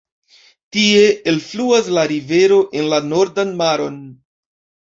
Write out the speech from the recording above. Tie elfluas la rivero en la Nordan Maron.